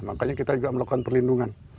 makanya kita juga melakukan perlindungan